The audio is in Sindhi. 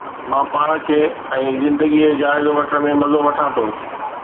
مان پاڻ کي ۽ زندگيءَ جو جائزو وٺڻ ۾ مزو وٺان ٿو